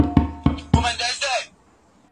د سړي سر عايد سږ کال تر پخوا ډير لوړ سوی دی.